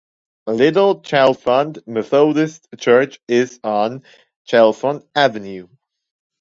Little Chalfont Methodist Church is on Chalfont Avenue.